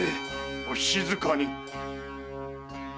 お静かに！